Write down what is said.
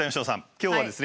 今日はですね